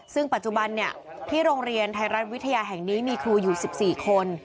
ซึ่งปัจจุบันที่โรงเรียนไทยรัฐวิทยาแห่งนี้มีครูอยู่๑๔คน